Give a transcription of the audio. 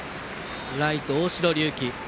ライト、大城龍紀。